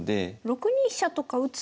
６二飛車とか打つと。